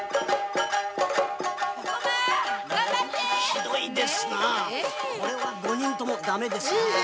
ひどいですなこれは五人とも駄目ですな。